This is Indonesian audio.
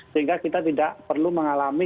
sehingga kita tidak perlu mengalami